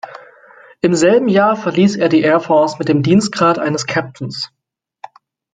Im selben Jahr verließ er die Air Force mit dem Dienstgrad eines Captains.